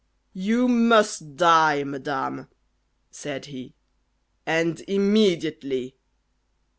"You must die, madam," said he, "and immediately."